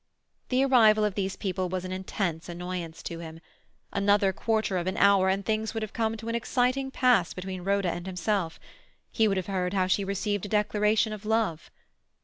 The arrival of these people was an intense annoyance to him. Another quarter of an hour and things would have come to an exciting pass between Rhoda and himself; he would have heard how she received a declaration of love.